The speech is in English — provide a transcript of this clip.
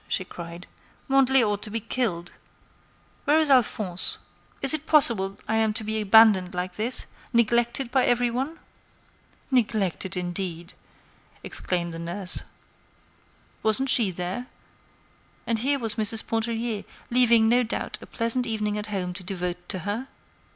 she cried. "Mandelet ought to be killed! Where is Alphonse? Is it possible I am to be abandoned like this—neglected by every one?" "Neglected, indeed!" exclaimed the nurse. Wasn't she there? And here was Mrs. Pontellier leaving, no doubt, a pleasant evening at home to devote to her?